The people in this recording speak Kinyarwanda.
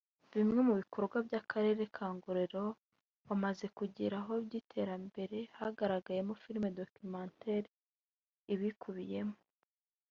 Bimwe mu bikorwa by’Akarere ka Ngororero bamaze kugeraho by’iterambere hagaragajwe Film documentaire ibikubiyemo